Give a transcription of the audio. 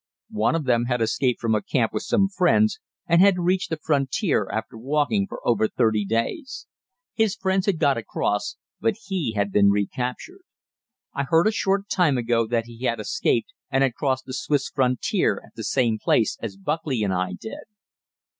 One of them had escaped from a camp with some friends, and had reached the frontier after walking for over thirty days. His friends had got across, but he had been recaptured. I heard a short time ago that he had escaped and had crossed the Swiss frontier at the same place as Buckley and I did.